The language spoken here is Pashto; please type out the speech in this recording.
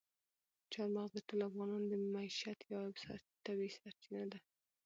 چار مغز د ټولو افغانانو د معیشت یوه طبیعي سرچینه ده.